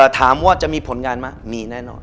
ถามว่าจะมีผลงานไหมมีแน่นอน